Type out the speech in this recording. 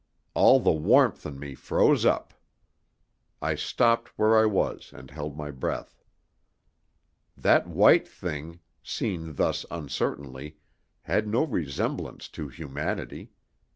All the warmth in me froze up. I stopped where I was and held my breath. That white thing, seen thus uncertainly, had no semblance to humanity.